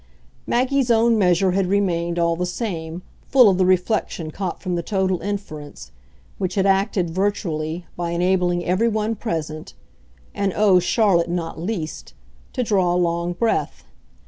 Maggie's own measure had remained, all the same, full of the reflection caught from the total inference; which had acted, virtually, by enabling every one present and oh Charlotte not least! to draw a long breath.